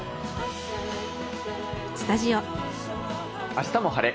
「あしたも晴れ！